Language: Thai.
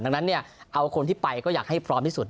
ดังนั้นเนี่ยเอาคนที่ไปก็อยากให้พร้อมที่สุด